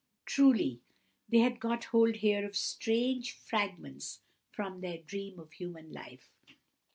Truly they had got hold here of strange "Fragments from their dream of human life."